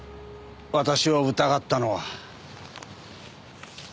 私を疑ったのは。